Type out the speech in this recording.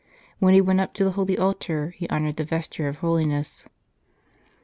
When he went up to the holy altar he honoured the vesture of holiness."